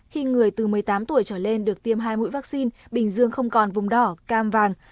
khi người từ một mươi tám tuổi trở lên được tiêm hai mũi vaccine bình dương không còn vùng đỏ cam vàng